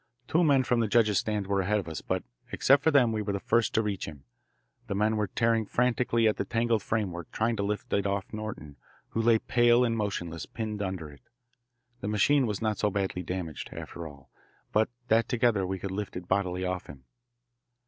Two men from the judge's stand were ahead of us, but except for them we were the first to reach him. The men were tearing frantically at the tangled framework, trying to lift it off Norton, who lay pale and motionless, pinned under it. The machine was not so badly damaged, after all, but that together we could lift it bodily off him.